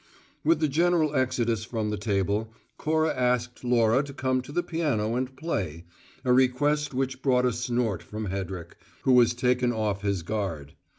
With the general exodus from the table, Cora asked Laura to come to the piano and play, a request which brought a snort from Hedrick, who was taken off his guard.